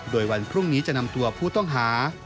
โดยวันพรุ่งนี้จะนำตัวผู้ต้องหา